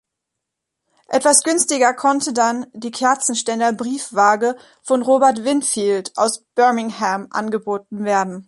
Etwas günstiger konnte dann die Kerzenständer-Briefwaage von Robert Winfield aus Birmingham angeboten werden.